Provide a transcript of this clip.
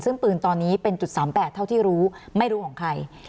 ซึ่งปืนตอนนี้เป็น๓๘เท่าที่รู้ไม่รู้ของใคร